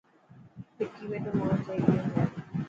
وڪي وڏو ماڻهو ٿي گيو هي.